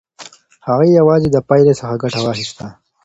هغې یوازې د پایلې څخه ګټه واخیسته.